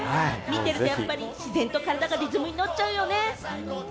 見てると自然と体がリズムにノっちゃうよね。